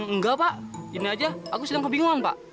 enggak pak ini aja aku sedang kebingungan pak